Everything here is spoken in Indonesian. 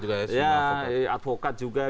ada advokat juga ya